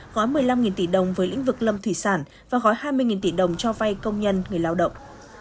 gói một mươi năm tỷ đồng với lĩnh vực lâm thủy sản và gói hai mươi tỷ đồng cho vay công nhân người lao động